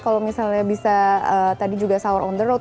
kalau misalnya bisa tadi juga sahur on the road